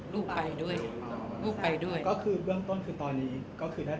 ลูกไปด้วยลูกไปด้วยก็คือเบื้องต้นคือตอนนี้ก็คือถ้า